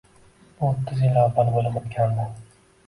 Bu o`ttiz yil avval bo`lib o`tgandi